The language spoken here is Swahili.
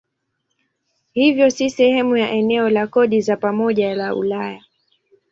Hivyo si sehemu ya eneo la kodi za pamoja la Ulaya.